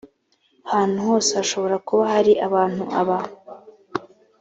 hantu hose hashobora kuba hari abantu aba